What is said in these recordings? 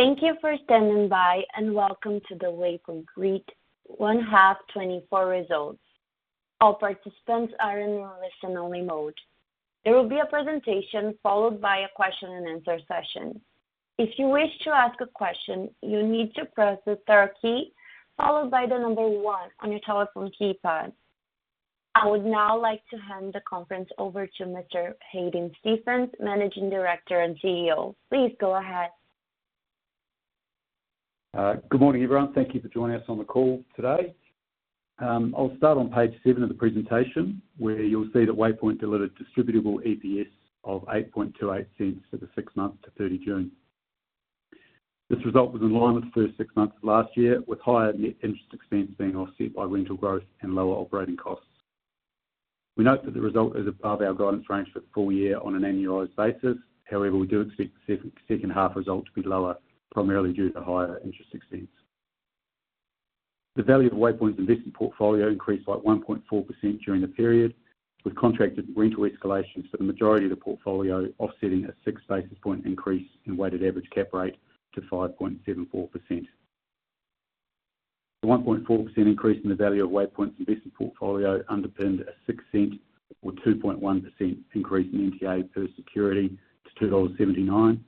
Thank you for standing by, and welcome to the Waypoint Group 1H24 Results. All participants are in listen-only mode. There will be a presentation followed by a question-and-answer session. If you wish to ask a question, you need to press the star key, followed by the number one on your telephone keypad. I would now like to hand the conference over to Mr. Hadyn Stephens, Managing Director and CEO. Please go ahead. Good morning, everyone. Thank you for joining us on the call today. I'll start on page seven of the presentation, where you'll see that Waypoint delivered distributable EPS of 0.0828 for the six months to thirty June. This result was in line with the first six months of last year, with higher net interest expense being offset by rental growth and lower operating costs. We note that the result is above our guidance range for the full year on an annualized basis. However, we do expect the second half results to be lower, primarily due to higher interest expense. The value of Waypoint's investment portfolio increased by 1.4% during the period, with contracted rental escalations for the majority of the portfolio, offsetting a six basis points increase in weighted average cap rate to 5.74%. The 1.4% increase in the value of Waypoint's investment portfolio underpinned a 6 cent or 2.1% increase in NTA per security to 2.79 dollars,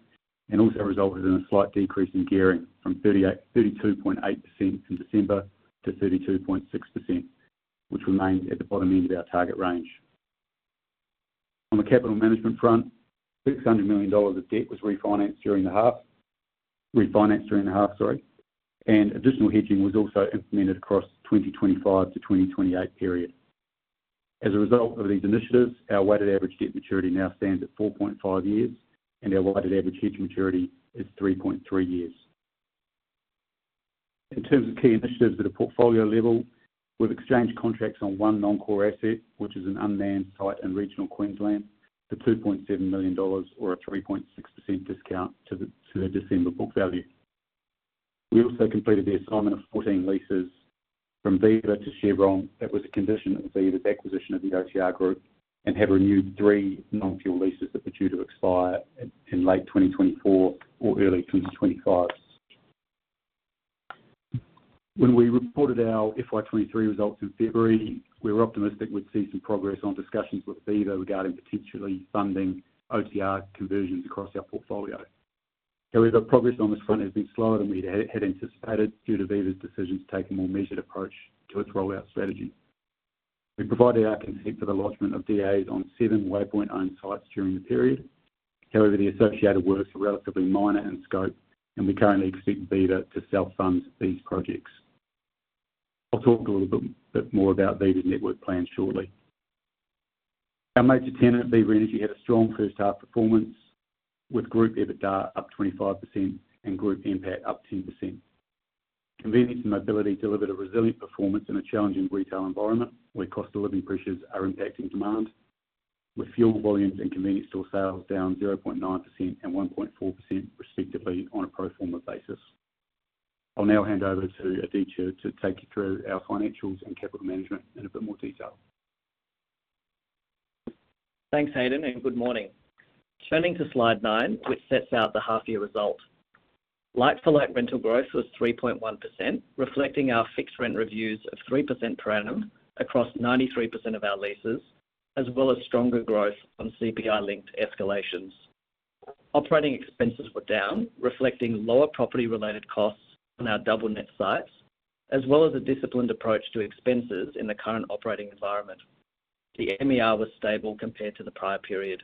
and also resulted in a slight decrease in gearing from 32.8% in December to 32.6%, which remained at the bottom end of our target range. On the capital management front, 600 million dollars of debt was refinanced during the half, sorry, and additional hedging was also implemented across 2025-2028 period. As a result of these initiatives, our weighted average debt maturity now stands at 4.5 years, and our weighted average future maturity is 3.3 years. In terms of key initiatives at a portfolio level, we've exchanged contracts on one non-core asset, which is an unmanned site in regional Queensland, for 2.7 million dollars, or a 3.6% discount to the December book value. We also completed the assignment of 14 leases from Viva to Chevron. That was a condition of Viva's acquisition of the OTR Group, and have renewed three non-fuel leases that were due to expire in late 2024 or early 2025. When we reported our FY23 results in February, we were optimistic we'd see some progress on discussions with Viva regarding potentially funding OTR conversions across our portfolio. However, progress on this front has been slower than we had anticipated due to Viva's decision to take a more measured approach to its rollout strategy. We provided our consent for the lodgment of DAs on seven Waypoint-owned sites during the period. However, the associated works are relatively minor in scope, and we currently expect Viva to self-fund these projects. I'll talk a little bit more about Viva's network plan shortly. Our major tenant, Viva Energy, had a strong first half performance, with group EBITDA up 25% and group NPAT up 10%. Convenience and Mobility delivered a resilient performance in a challenging retail environment, where cost of living pressures are impacting demand, with fuel volumes and convenience store sales down 0.9% and 1.4% respectively on a pro forma basis. I'll now hand over to Aditya to take you through our financials and capital management in a bit more detail. Thanks, Hadyn, and good morning. Turning to Slide 9, which sets out the half year result. Like-for-like rental growth was 3.1%, reflecting our fixed rent reviews of 3% per annum across 93% of our leases, as well as stronger growth on CPI-linked escalations. Operating expenses were down, reflecting lower property-related costs on our double net sites, as well as a disciplined approach to expenses in the current operating environment. The MER was stable compared to the prior period.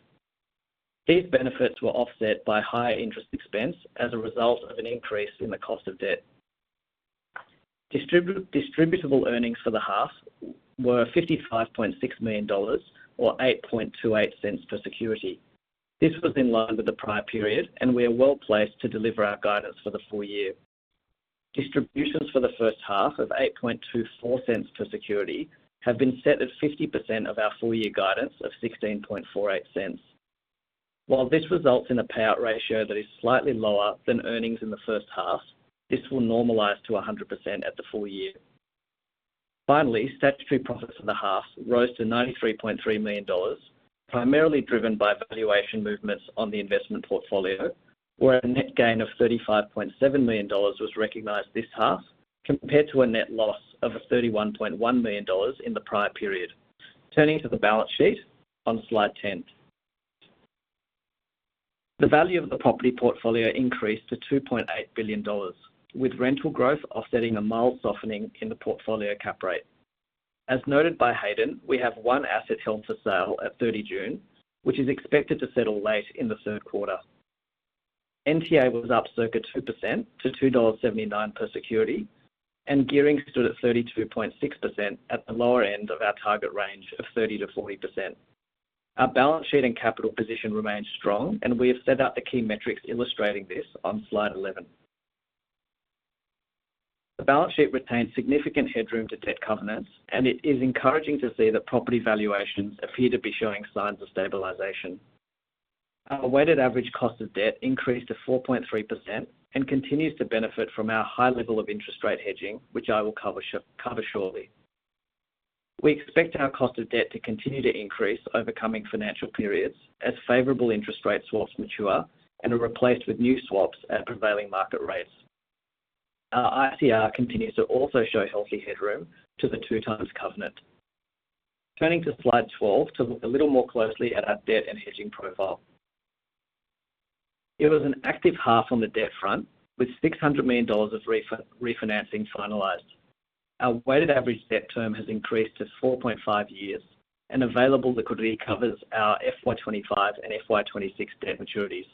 These benefits were offset by higher interest expense as a result of an increase in the cost of debt. Distributable earnings for the half were 55.6 million dollars, or 0.0828 per security. This was in line with the prior period, and we are well placed to deliver our guidance for the full year. Distributions for the first half of 0.0824 per security have been set at 50% of our full year guidance of 0.1648. While this results in a payout ratio that is slightly lower than earnings in the first half, this will normalize to 100% at the full year. Finally, statutory profits in the half rose to 93.3 million dollars, primarily driven by valuation movements on the investment portfolio, where a net gain of 35.7 million dollars was recognized this half, compared to a net loss of 31.1 million dollars in the prior period. Turning to the balance sheet on slide 10. The value of the property portfolio increased to 2.8 billion dollars, with rental growth offsetting a mild softening in the portfolio cap rate. As noted by Hadyn, we have one asset held for sale at thirty June, which is expected to settle late in the third quarter. NTA was up circa 2% to 2.79 dollars per security, and gearing stood at 32.6% at the lower end of our target range of 30%-40%. Our balance sheet and capital position remains strong, and we have set out the key metrics illustrating this on slide 11. The balance sheet retains significant headroom to debt covenants, and it is encouraging to see that property valuations appear to be showing signs of stabilization. Our weighted average cost of debt increased to 4.3% and continues to benefit from our high level of interest rate hedging, which I will cover shortly. We expect our cost of debt to continue to increase over coming financial periods, as favorable interest rate swaps mature and are replaced with new swaps at prevailing market rates. Our ICR continues to also show healthy headroom to the 2 times covenant. Turning to slide 12, to look a little more closely at our debt and hedging profile. It was an active half on the debt front, with 600 million dollars of refinancing finalized. Our weighted average debt term has increased to 4.5 years, and available liquidity covers our FY 2025 and FY 2026 debt maturities.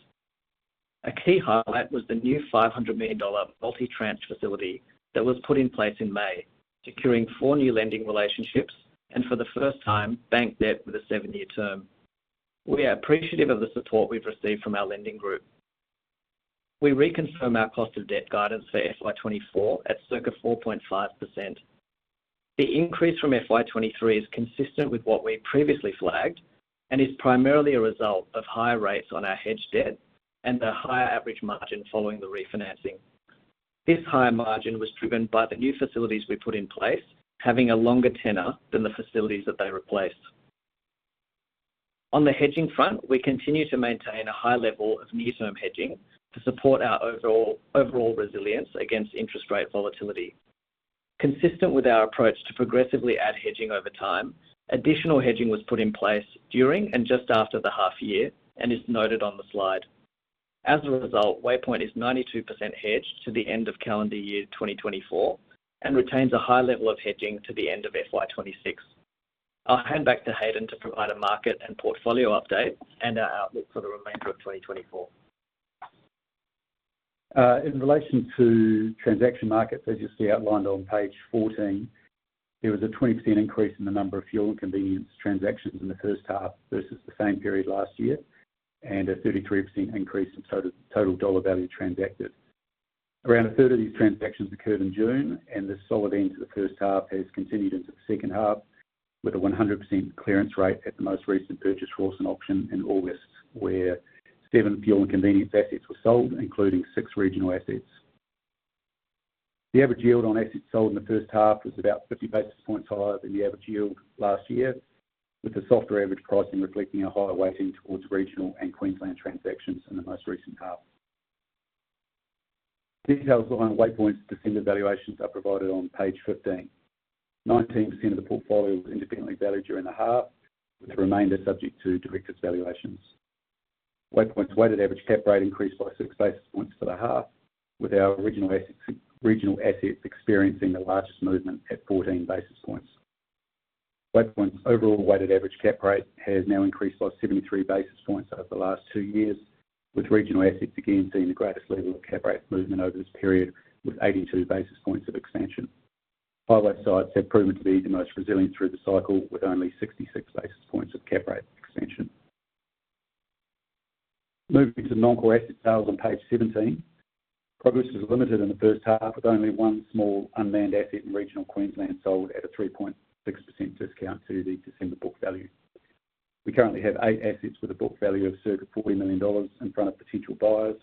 A key highlight was the new 500 million dollar multi-tranche facility that was put in place in May, securing four new lending relationships, and for the first time, bank debt with a 7-year term. We are appreciative of the support we've received from our lending group. We reconfirm our cost of debt guidance for FY 2024 at circa 4.5%. The increase from FY 2023 is consistent with what we previously flagged, and is primarily a result of higher rates on our hedged debt and the higher average margin following the refinancing. This higher margin was driven by the new facilities we put in place, having a longer tenor than the facilities that they replaced. On the hedging front, we continue to maintain a high level of near-term hedging to support our overall resilience against interest rate volatility. Consistent with our approach to progressively add hedging over time, additional hedging was put in place during and just after the half year, and is noted on the slide. As a result, Waypoint is 92% hedged to the end of calendar year 2024, and retains a high level of hedging to the end of FY 2026. I'll hand back to Hadyn to provide a market and portfolio update and our outlook for the remainder of 2024. In relation to transaction markets, as you see outlined on page 14, there was a 20% increase in the number of fuel and convenience transactions in the first half versus the same period last year, and a 33% increase in total dollar value transacted. Around a third of these transactions occurred in June, and the solid end to the first half has continued into the second half, with a 100% clearance rate at the most recent Burgess Rawson auction in August, where seven fuel and convenience assets were sold, including six regional assets. The average yield on assets sold in the first half was about fifty basis points higher than the average yield last year, with the softer average pricing reflecting a higher weighting towards regional and Queensland transactions in the most recent half. Details on Waypoint's December valuations are provided on page 15. 19% of the portfolio was independently valued during the half, with the remainder subject to directors' valuations. Waypoint's weighted average cap rate increased by 6 basis points for the half, with our original assets, regional assets experiencing the largest movement at 14 basis points. Waypoint's overall weighted average cap rate has now increased by 73 basis points over the last two years, with regional assets again seeing the greatest level of cap rate movement over this period, with 82 basis points of expansion. Highway sites have proven to be the most resilient through the cycle, with only 66 basis points of cap rate expansion. Moving to non-core asset sales on page 17. Progress was limited in the first half, with only one small unmanned asset in regional Queensland sold at a 3.6% discount to the December book value. We currently have eight assets with a book value of circa 40 million dollars in front of potential buyers,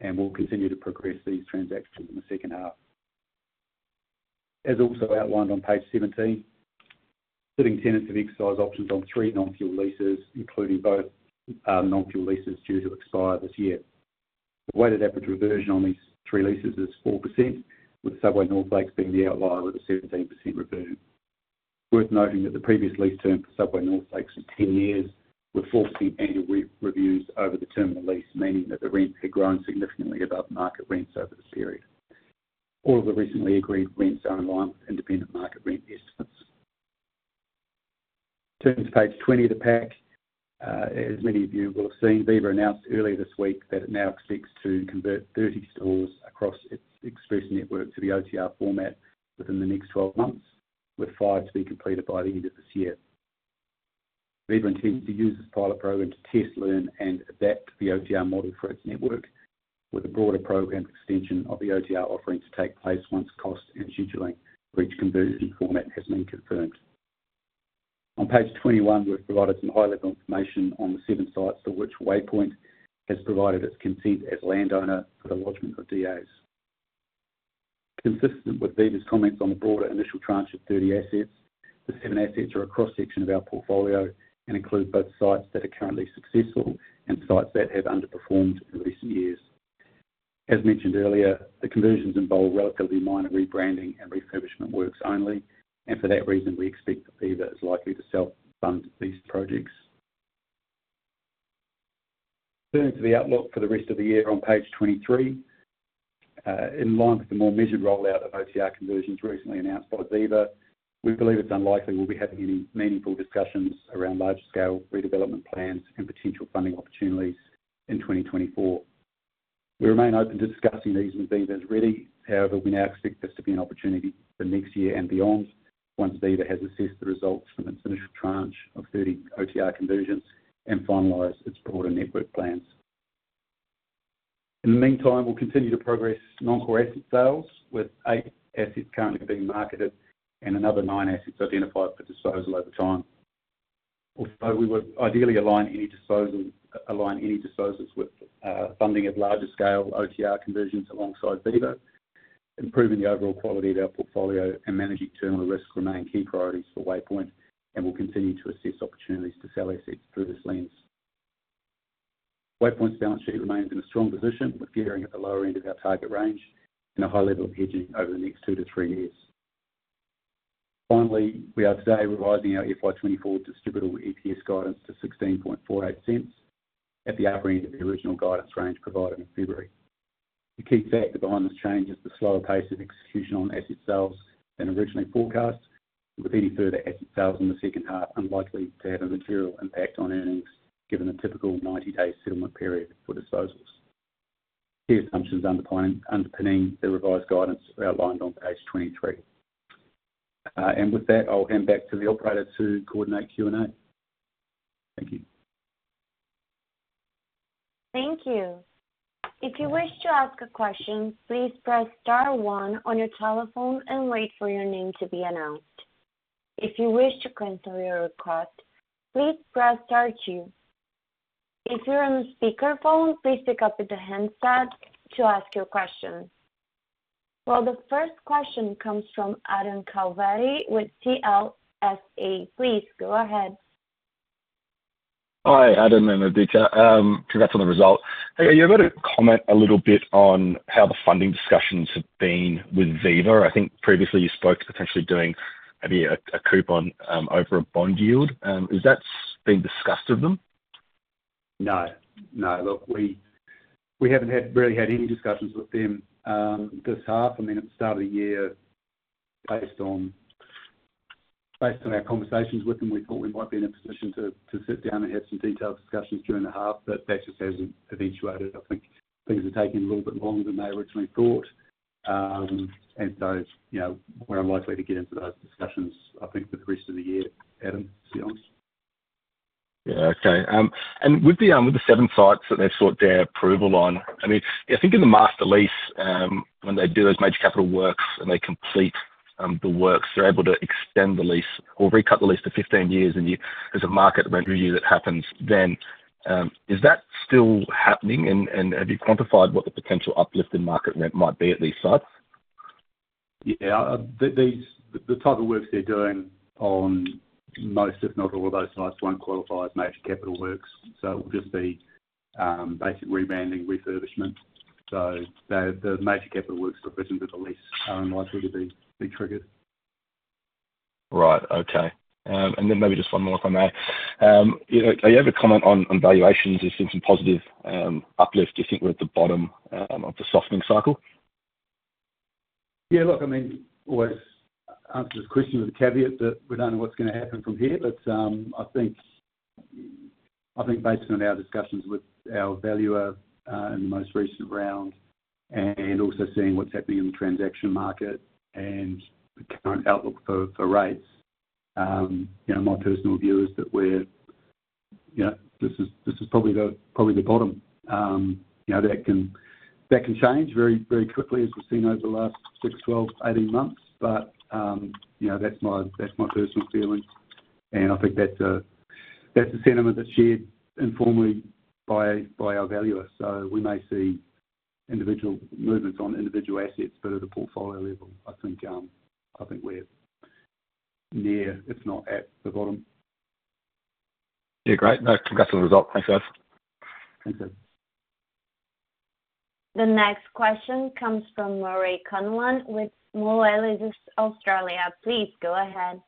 and we'll continue to progress these transactions in the second half. As also outlined on page 17, sitting tenants have exercise options on three non-fuel leases, including both non-fuel leases due to expire this year. The weighted average reversion on these three leases is 4%, with Subway North Lakes being the outlier with a 17% review. Worth noting that the previous lease term for Subway North Lakes was 10 years, with 14 annual reviews over the term of the lease, meaning that the rent had grown significantly above market rents over this period. All of the recently agreed rents are in line with independent market rent estimates. Turning to page twenty of the pack, as many of you will have seen, Viva announced earlier this week that it now expects to convert thirty stores across its express network to the OTR format within the next twelve months, with five to be completed by the end of this year. Viva intends to use this pilot program to test, learn, and adapt the OTR model for its network, with a broader program extension of the OTR offering to take place once cost and scheduling for each conversion format has been confirmed. On page twenty-one, we've provided some high-level information on the seven sites for which Waypoint has provided its consent as landowner for the lodgment of DAs. Consistent with Viva's comments on the broader initial tranche of thirty assets, the seven assets are a cross-section of our portfolio and include both sites that are currently successful and sites that have underperformed in recent years. As mentioned earlier, the conversions involve relatively minor rebranding and refurbishment works only, and for that reason, we expect that Viva is likely to self-fund these projects. Turning to the outlook for the rest of the year on page twenty-three, in line with the more measured rollout of OTR conversions recently announced by Viva, we believe it's unlikely we'll be having any meaningful discussions around large-scale redevelopment plans and potential funding opportunities in twenty twenty-four. We remain open to discussing these when Viva is ready. However, we now expect this to be an opportunity for next year and beyond, once Viva has assessed the results from its initial tranche of 30 OTR conversions and finalized its broader network plans. In the meantime, we'll continue to progress non-core asset sales, with 8 assets currently being marketed and another 9 assets identified for disposal over time. Although we would ideally align any disposals with funding of larger scale OTR conversions alongside Viva, improving the overall quality of our portfolio and managing terminal risks remain key priorities for Waypoint, and we'll continue to assess opportunities to sell assets through this lens. Waypoint's balance sheet remains in a strong position, with gearing at the lower end of our target range and a high level of hedging over the next two to three years. Finally, we are today revising our FY 2024 distributable EPS guidance to 0.1648, at the upper end of the original guidance range provided in February. The key factor behind this change is the slower pace of execution on asset sales than originally forecast, with any further asset sales in the second half unlikely to have a material impact on earnings, given the typical 90-day settlement period for disposals. Key assumptions underpinning the revised guidance are outlined on page 23. And with that, I'll hand back to the operator to coordinate Q&A. Thank you. Thank you. If you wish to ask a question, please press star one on your telephone and wait for your name to be announced. If you wish to cancel your request, please press star two. If you're on speakerphone, please pick up the handset to ask your question. The first question comes from Adam Calavrias with CLSA. Please go ahead. Hi, Adam and Aditya. Congrats on the result. Are you able to comment a little bit on how the funding discussions have been with Viva? I think previously you spoke to potentially doing maybe a coupon over a bond yield. Has that been discussed with them? No. No. Look, we haven't really had any discussions with them this half. I mean, at the start of the year, based on our conversations with them, we thought we might be in a position to sit down and have some detailed discussions during the half, but that just hasn't eventuated. I think things are taking a little bit longer than they originally thought. And so, you know, we're unlikely to get into those discussions, I think, for the rest of the year, Adam, to be honest. Yeah. Okay. And with the seven sites that they've sought their approval on, I mean, I think in the master lease, when they do those major capital works and they complete the works, they're able to extend the lease or recut the lease to fifteen years, and you, there's a market rent review that happens then. Is that still happening? And, and have you quantified what the potential uplift in market rent might be at these sites? Yeah. These, the type of works they're doing on most, if not all, of those sites won't qualify as major capital works, so it will just be basic rebranding, refurbishment. So the major capital works provisions of the lease are unlikely to be triggered. Right. Okay. And then maybe just one more, if I may. You know, are you able to comment on, on valuations? You've seen some positive, uplift. Do you think we're at the bottom, of the softening cycle? Yeah, look, I mean, always answer this question with the caveat that we don't know what's going to happen from here, but I think I think based on our discussions with our valuer in the most recent round, and also seeing what's happening in the transaction market and the current outlook for rates, you know, my personal view is that we're, you know, this is probably the bottom. You know, that can change very very quickly, as we've seen over the last six, 12, 18 months. But you know, that's my personal feeling, and I think that's a sentiment that's shared informally by our valuers. So we may see individual movements on individual assets, but at the portfolio level, I think I think we're near, if not at, the bottom. Yeah, great. No, congrats on the result. Thanks, guys. Thank you. The next question comes from Murray Conlon with Moelis Australia. Please go ahead.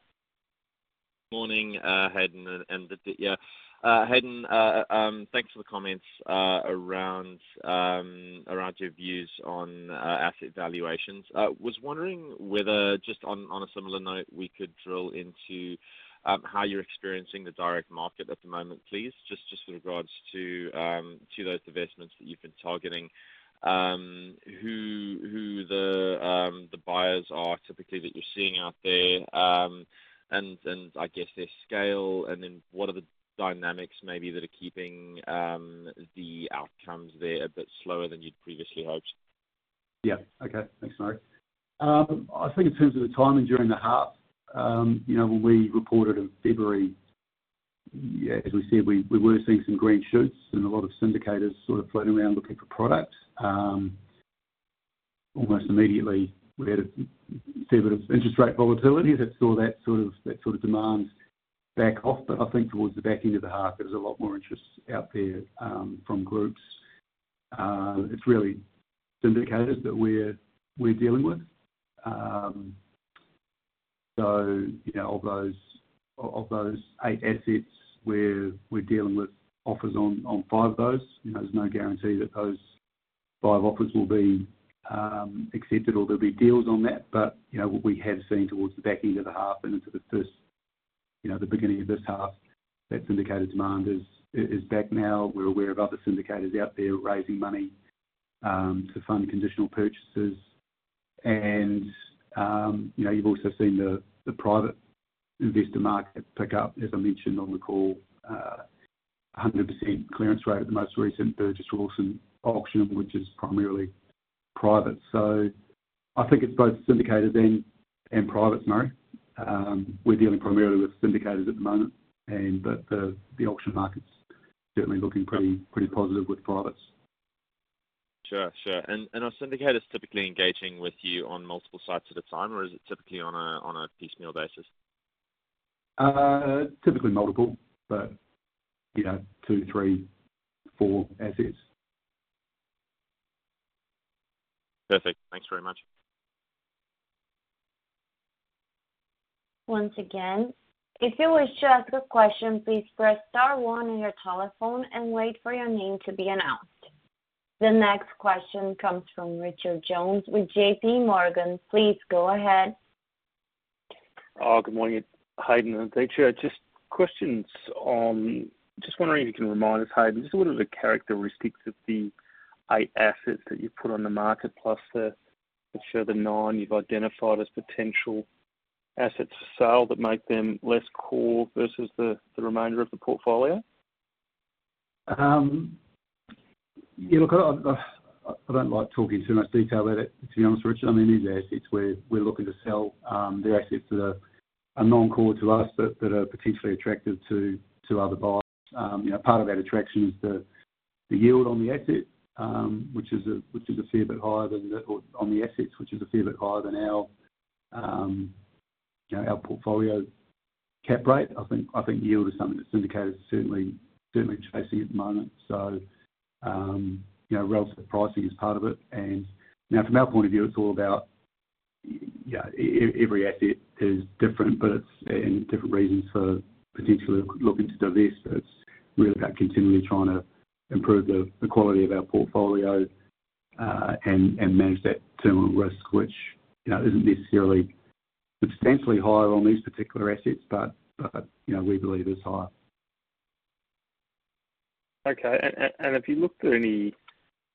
Morning, Hadyn and Aditya. Hadyn, thanks for the comments around your views on asset valuations. Was wondering whether, just on a similar note, we could drill into how you're experiencing the direct market at the moment, please? Just in regards to those divestments that you've been targeting, who the buyers are typically that you're seeing out there, and I guess their scale, and then what are the dynamics maybe that are keeping the outcomes there a bit slower than you'd previously hoped? Yeah. Okay. Thanks, Murray. I think in terms of the timing during the half, you know, when we reported in February, yeah, as we said, we were seeing some green shoots and a lot of syndicators sort of floating around looking for product. Almost immediately, we had a bit of interest rate volatility that saw that sort of demand back off. But I think towards the back end of the half, there was a lot more interest out there from groups. It's really syndicators that we're dealing with. So, you know, of those eight assets, we're dealing with offers on five of those. You know, there's no guarantee that those five offers will be accepted or there'll be deals on that. But you know what we have seen towards the back end of the half and into the first, you know, the beginning of this half, that syndicator demand is back now. We're aware of other syndicators out there raising money to fund conditional purchases. And you know you've also seen the private investor market pick up, as I mentioned on the call, 100% clearance rate at the most recent Burgess Rawson auction, which is primarily private. So I think it's both syndicated and private, Murray. We're dealing primarily with syndicators at the moment, and the auction market's certainly looking pretty positive with privates. Sure, sure. And are syndicators typically engaging with you on multiple sites at a time, or is it typically on a piecemeal basis? Typically multiple, but, you know, two, three, four assets. Perfect. Thanks very much. Once again, if you wish to ask a question, please press star one on your telephone and wait for your name to be announced. The next question comes from Richard Jones with J.P. Morgan. Please go ahead. Good morning, Is Hadyn in the chair. Just wondering if you can remind us, Hadyn, just what are the characteristics of the eight assets that you've put on the market, plus the, let's say the nine you've identified as potential asset sales that make them less core versus the remainder of the portfolio? Yeah, look, I don't like talking too much detail about it, to be honest, Richard. I mean, these assets we're looking to sell, they're assets that are non-core to us, but that are potentially attractive to other buyers. You know, part of that attraction is the yield on the asset, which is a fair bit higher than our portfolio cap rate. I think yield is something that syndicators certainly chasing at the moment. So, you know, relative pricing is part of it. And now, from our point of view, it's all about every asset is different, but it's... and different reasons for potentially looking to divest. It's really about continually trying to improve the quality of our portfolio, and manage that term risk, which, you know, isn't necessarily substantially higher on these particular assets, but you know, we believe is higher. Okay. And have you looked at any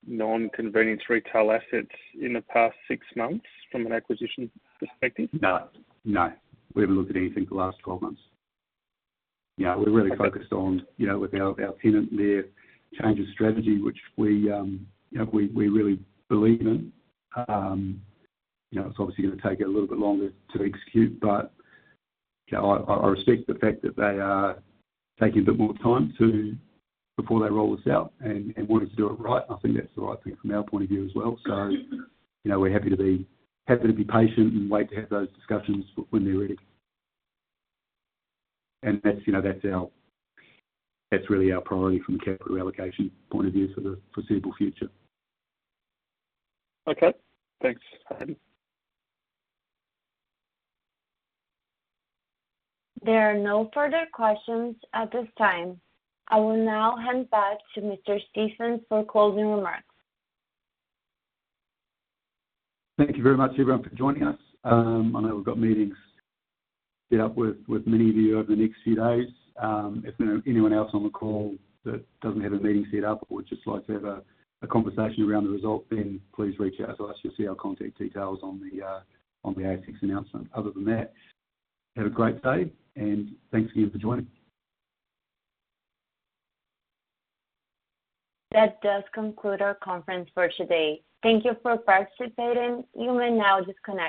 non-convenience retail assets in the past six months from an acquisition perspective? No, no. We haven't looked at anything for the last twelve months. Yeah, we're really focused on, you know, with our tenant, their change of strategy, which we, you know, really believe in. You know, it's obviously going to take a little bit longer to execute, but, yeah, I respect the fact that they are taking a bit more time to before they roll this out and wanting to do it right. I think that's the right thing from our point of view as well. So, you know, we're happy to be patient and wait to have those discussions when they're ready. And that's, you know, that's really our priority from a capital allocation point of view for the foreseeable future. Okay, thanks, Hadyn. There are no further questions at this time. I will now hand back to Mr. Stephens for closing remarks. Thank you very much, everyone, for joining us. I know we've got meetings set up with many of you over the next few days. If there are anyone else on the call that doesn't have a meeting set up or would just like to have a conversation around the result, then please reach out to us. You'll see our contact details on the ASX announcement. Other than that, have a great day, and thanks again for joining. That does conclude our conference for today. Thank you for participating. You may now disconnect.